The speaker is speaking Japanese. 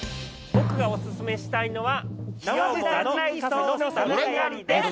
僕がお薦めしたいのは。